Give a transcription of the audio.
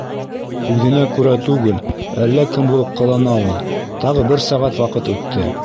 Үҙенә күрә түгел — әллә кем булып ҡылана ул. Тағы бер сәғәт ваҡыт үтте.